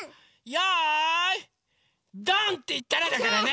よいどん！っていったらだからね！